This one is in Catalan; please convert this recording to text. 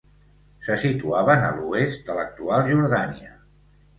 Se situaven a l'oest de l'actual Jordània.